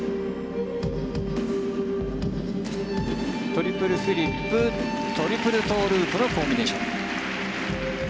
トリプルフリップトリプルトウループのコンビネーション。